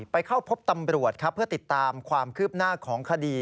เข้าพบตำรวจครับเพื่อติดตามความคืบหน้าของคดี